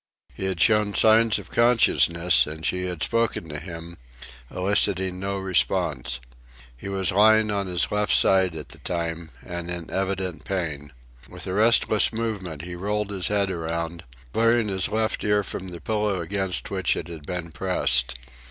He had shown signs of consciousness, and she had spoken to him, eliciting no response. He was lying on his left side at the time, and in evident pain. With a restless movement he rolled his head around, clearing his left ear from the pillow against which it had been pressed.